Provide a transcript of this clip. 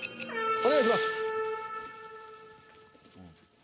お願いします。